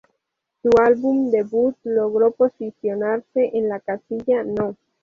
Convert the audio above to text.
Su álbum debut logró posicionarse en la casilla No.